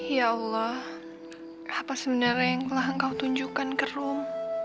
ya allah apa sebenarnya yang telah engkau tunjukkan ke rum